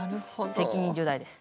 責任重大です。